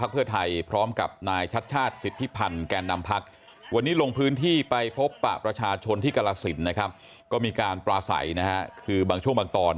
แล้วก็ร่วมกันเต้นในเพลงพักเพื่อไทยหัวใจเพื่อเธอ